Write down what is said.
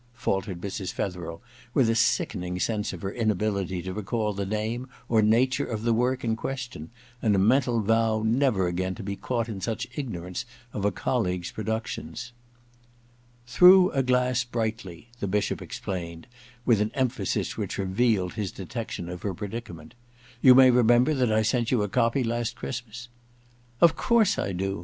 faltered Mrs. Fetherel, with a sickening sense of her inability to recall the name or nature of the work in question, and a mental vow never again to be caught in such ignorance of a colleague's productions. •" Through a Glass Brightly," ' the Bishop explained, with an emphasis which revealed his detection of her predicament. * You may re member that I sent you a copy last Christmas ?' II EXPIATION 89 * Of course I do